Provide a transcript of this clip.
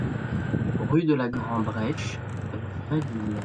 Rue de la Grande Breche, Vraiville